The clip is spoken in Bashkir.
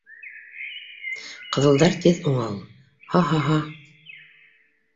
— Ҡыҙылдар тиҙ уңа ул, һа-һа-һа